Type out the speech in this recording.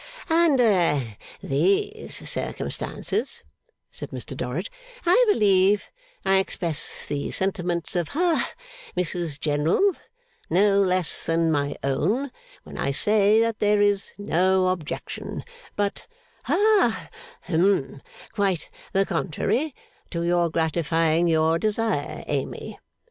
'Under these circumstances,' said Mr Dorrit, 'I believe I express the sentiments of ha Mrs General, no less than my own, when I say that there is no objection, but ha hum quite the contrary to your gratifying your desire, Amy.